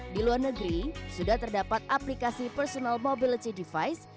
di luar negeri sudah terdapat aplikasi personal mobility device